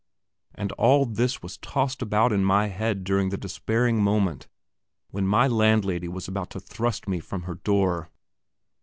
And all this was tossed about in my head during the despairing moment when my landlady was about to thrust me from her door.